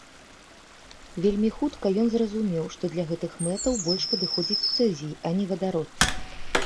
Вельмі хутка ён зразумеў, што для гэтых мэтаў больш падыходзіць цэзій, а не вадарод.